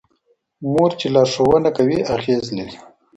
مور چي لارښوونه کوي اغېز لري.